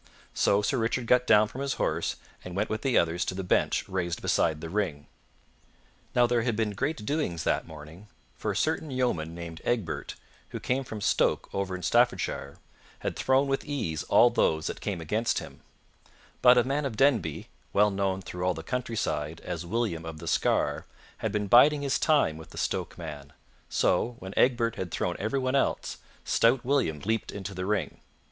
So Sir Richard got down from his horse and went with the others to the bench raised beside the ring. Now there had been great doings that morning, for a certain yeoman named Egbert, who came from Stoke over in Staffordshire, had thrown with ease all those that came against him; but a man of Denby, well known through all the countryside as William of the Scar, had been biding his time with the Stoke man; so, when Egbert had thrown everyone else, stout William leaped into the ring.